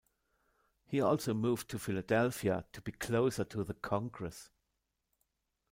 He also moved to Philadelphia to be closer to the Congress.